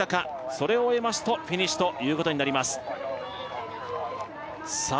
それを終えますとフィニッシュということになりますさあ